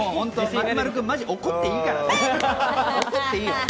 松丸君、怒っていいからね。